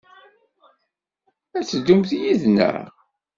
Ad teddumt yid-neɣ?